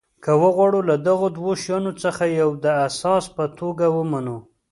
که وغواړو له دغو دوو شیانو څخه یو د اساس په توګه ومنو.